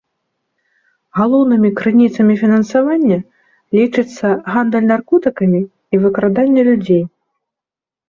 Галоўнымі крыніцамі фінансавання лічацца гандаль наркотыкамі і выкраданне людзей.